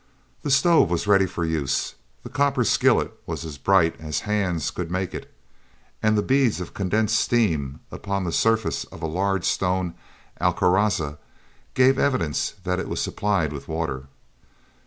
The stove was ready for use, the copper skillet was as bright as hands could make it, and the beads of condensed steam upon the surface of a large stone al caraza gave evidence that it was supplied with water.